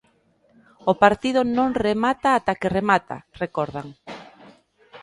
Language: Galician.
"O partido non remata ata que remata", recordan.